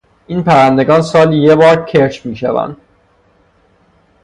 این پرندگان سالی یکبار کرچ میشوند.